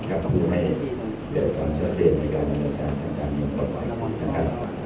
การพูดให้เหลือความชัดเจนในการบริเวณการทำงานปลอดภัย